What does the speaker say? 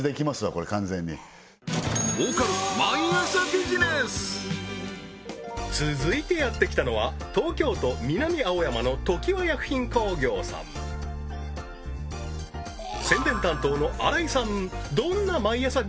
これ完全に続いてやって来たのは東京都南青山の常盤薬品工業さん宣伝担当の荒井さん